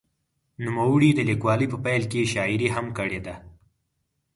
نوموړي د لیکوالۍ په پیل کې شاعري هم کړې ده.